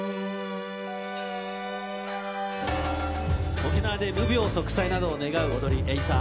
沖縄で無病息災などを願う踊り、エイサー。